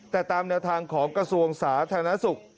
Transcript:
แต่ตามแนวทางของกระทรวงสาธารณสุข